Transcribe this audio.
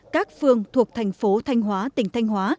các phương thuộc thành phố thanh hóa tỉnh thanh hóa